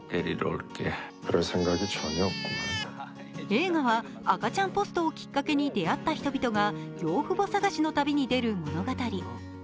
映画は赤ちゃんポストをきっかけに出会った人々が養父母探しの旅に出る物語。